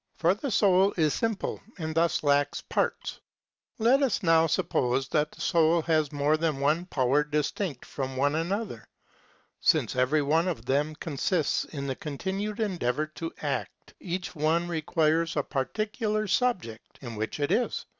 For the soul is simple and thus lacks parts (§ 673, OntoL). Let us now sup pK)se that the soul has more than one power distinct from one another; since each one of them consists in the continued endeavor to act (§ 724, OntoL), each one requires a particular subject in which it is.